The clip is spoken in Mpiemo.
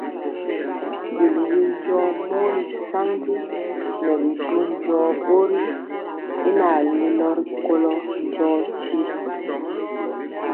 Biluwi njɔɔ mori saŋgi nɛ bi du njɔɔ bori y naŋ lelo rikolo njɔɔtyi.